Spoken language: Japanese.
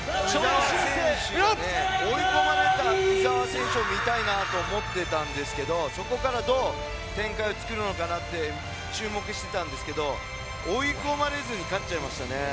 追い込まれた伊澤選手を見たいなと思ってたんですがそこから、どう展開を作るのか注目していたんですけど追い込まれずに勝っちゃいました。